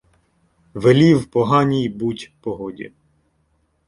Велів поганій буть погоді...